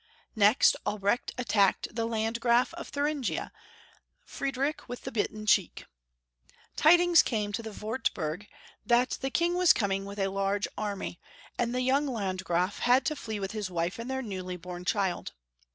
Next Albrecht attacked the Landgraf of Thur ingia, Friedrich with the bitten cheek. Tidings came to the Wartburg that the King was coming with a large army, and the young Landgraf had to flee with his wife and their newly born child.